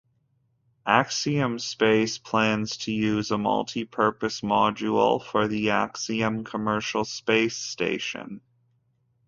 Axiom Space plans to use a Multi-Purpose module for the Axiom Commercial Space Station.